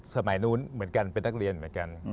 สมัยนู้นเหมือนกันเป็นนักเรียนเหมือนกัน